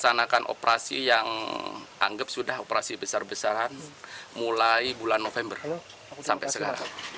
melaksanakan operasi yang anggap sudah operasi besar besaran mulai bulan november sampai sekarang